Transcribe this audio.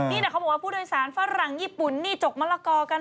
นี่เขาบอกว่าผู้โดยสารฝรั่งญี่ปุ่นนี่จกมะละกอกัน